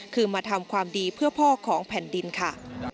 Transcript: คือมาทำความดีเพื่อพ่อของแผ่นดินค่ะ